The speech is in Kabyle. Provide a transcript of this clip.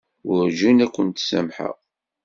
Werǧin ad kent-samḥeɣ.